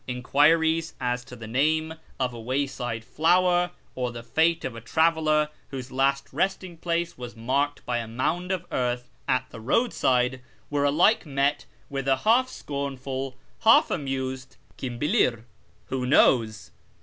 Enquiries as to the name of a wayside flower, or the fate of a traveller whose last resting place was marked by a mound of earth at the roadside, were alike met with a half scornful, half amused " 1dm hilir ?"(" who knows